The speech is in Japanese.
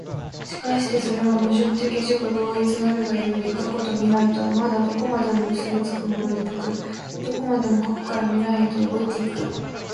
而してそれが矛盾的自己同一なるが故に、過去と未来とはまたどこまでも結び付くものでなく、どこまでも過去から未来へと動いて行く。